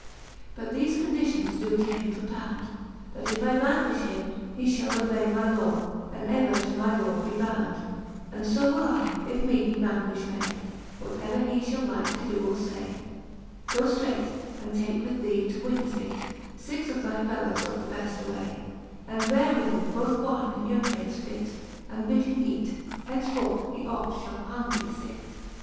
But thefe conditions doe to him propound. That if I vanquilhe him, he fhall obay My law, and ever to my lore be bound; And fo will I, if me he vanquifh may, What ever he fhall like to doe or fay. Goe ftreight, and take with thee, to withefle it, Sixe of thy fellowes of the befl aray, And beare with you both wine and juncates fit. And bid him eate : henceforth he oft fhall hungry fit. L.